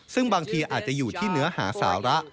ซึ่งบางทีอาจจะอยู่ที่เนื้อหาสาระ